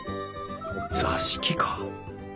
座敷か？